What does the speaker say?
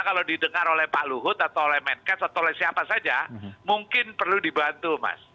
kalau didengar oleh pak luhut atau oleh menkes atau oleh siapa saja mungkin perlu dibantu mas